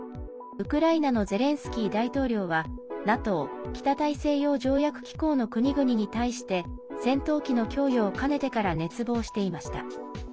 ウクライナのゼレンスキー大統領はＮＡＴＯ＝北大西洋条約機構の国々に対して戦闘機の供与をかねてから熱望していました。